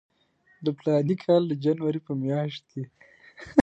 د فلاني کال د جنوري په میاشت کې.